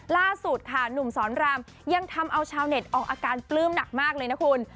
ล่าสุดค่ะหนุ่มสอนรามยังทำเอาชาวเน็ตออกอาการปลื้มหนักมากเลยนะคุณ